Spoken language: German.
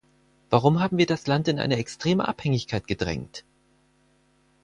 Warum haben wir das Land in eine extreme Abhängigkeit gedrängt?